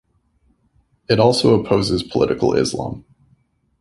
It also opposes political Islam.